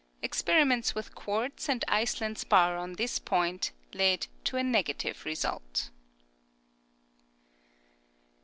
Experiments with quartz and Iceland spar on this point lead to a negative result.